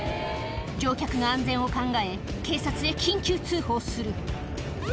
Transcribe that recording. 乗客の安全を考え、警察へ緊急通報する。